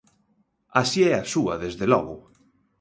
Así é a súa, desde logo.